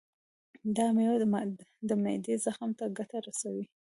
دا میوه د معدې زخم ته ګټه رسوي.